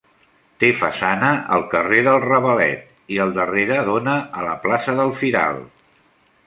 Té façana al carrer del Ravalet i el darrere dóna a la plaça del Firal.